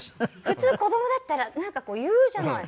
普通子供だったらなんか言うじゃない。